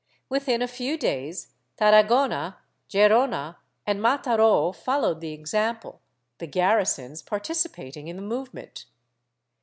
^ Within a few days Tarragona, Gerona and Matar6 followed the example, the garrisons participating in the movement.